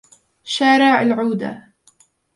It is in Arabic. شارعُ العودة